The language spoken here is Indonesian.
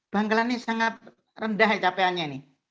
bangkalan ini sangat rendah capekannya